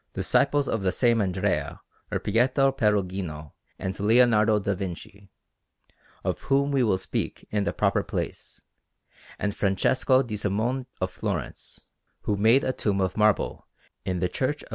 Disciples of the same Andrea were Pietro Perugino and Leonardo da Vinci, of whom we will speak in the proper place, and Francesco di Simone of Florence, who made a tomb of marble in the Church of S.